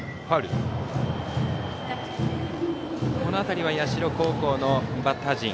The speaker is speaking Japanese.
この辺りは社高校のバッター陣